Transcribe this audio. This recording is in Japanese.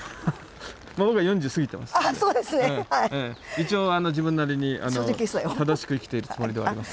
一応あの自分なりに正しく生きているつもりではあります。